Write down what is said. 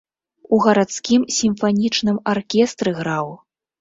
У гарадскім сімфанічным аркестры граў.